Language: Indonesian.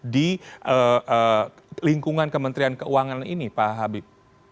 di lingkungan kementerian keuangan ini pak habib